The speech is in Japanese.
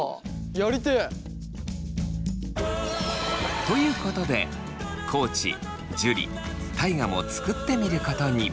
やりてえ！ということで地樹大我も作ってみることに。